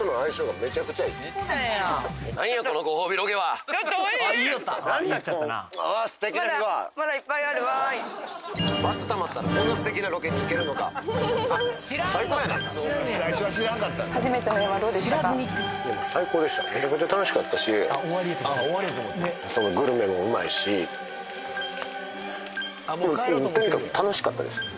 めちゃくちゃ楽しかったしグルメもうまいしとにかく楽しかったです